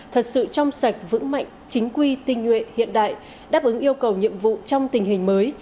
thật sự trong sạch vững mạnh chính quy tinh nhuệ hiện đại đáp ứng yêu cầu nhiệm vụ trong tình hình mới